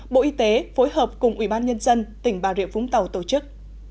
bộ y tế phối hợp cùng ubnd tỉnh bà rịa vũng tàu tổ chức